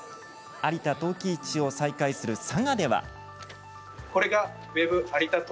有田陶器市を再開する佐賀では。